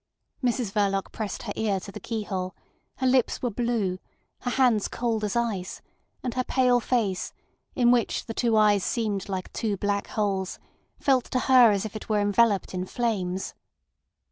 Mrs Verloc pressed her ear to the keyhole; her lips were blue, her hands cold as ice, and her pale face, in which the two eyes seemed like two black holes, felt to her as if it were enveloped in flames.